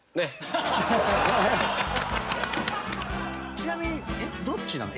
「ちなみにどっちなの？